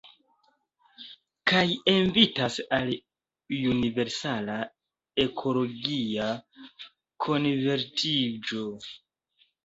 Kaj invitas al universala ekologia konvertiĝo.